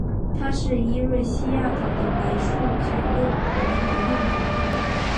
它是伊瑞西亚岛的白树凯勒博恩的幼苗。